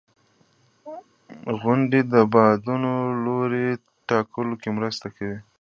• غونډۍ د بادونو د لوري ټاکلو کې مرسته کوي.